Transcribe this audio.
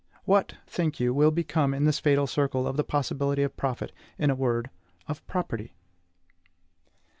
What, think you, will become, in this fatal circle, of the possibility of profit, in a word, of property?